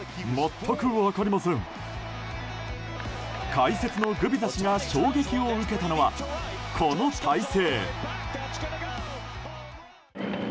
解説のグビザ氏が衝撃を受けたのはこの体勢。